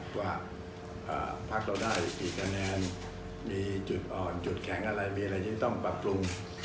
ว่าพักเราได้กี่คะแนนมีจุดอ่อนจุดแข็งอะไรมีอะไรที่ต้องปรับปรุง